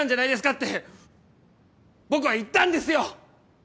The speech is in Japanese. って僕は言ったんですよ！